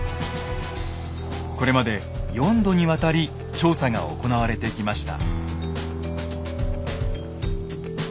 これまで４度にわたり調査が行われてきました。